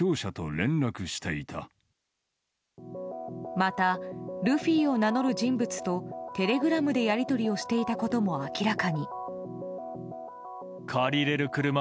また、ルフィを名乗る人物とテレグラムで、やり取りをしていたことも明らかに。